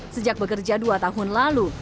sejak bekerja dua tahun lalu